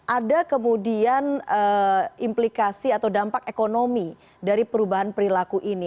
ada kemudian implikasi atau dampak ekonomi dari perubahan perilaku ini